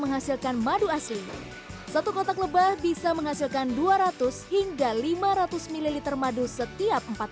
menghasilkan madu asli satu kotak lebah bisa menghasilkan dua ratus hingga lima ratus ml madu setiap empat